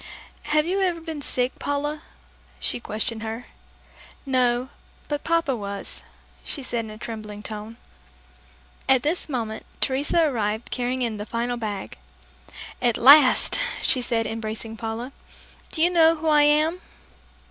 "Have you ever been sick, Paula?" she questioned her. "No, but Papa was," she said in a trembling tone. At this moment Teresa arrived carrying in the final bag. "At last," she said, embracing Paula. "Do you know who I am?"